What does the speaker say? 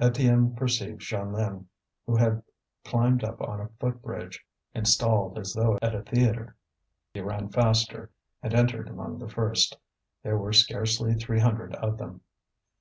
Étienne perceived Jeanlin, who had climbed up on a foot bridge, installed as though at a theatre. He ran faster, and entered among the first. There were scarcely three hundred of them.